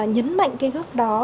nhấn mạnh góc đó ở thư viện hà nội